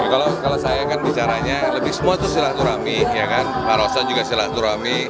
kalau kalau saya akan bicaranya lebih semua itu silaturahmi ya kan pak roksan juga silaturahmi